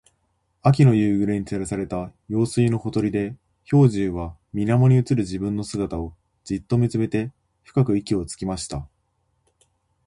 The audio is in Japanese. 秋の夕暮れに照らされた用水のほとりで、兵十は水面に映る自分の姿をじっと見つめて深く息をつきました。